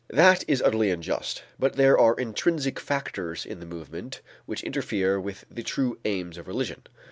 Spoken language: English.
That is utterly unjust. But there are intrinsic factors in the movement which interfere with the true aims of religion.